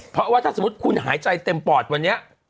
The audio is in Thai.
เพราะว่าถ้าสมมุติคุณหายใจเต็มปอดวันนี้